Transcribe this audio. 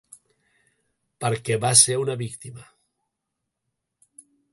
Perquè va ser una víctima.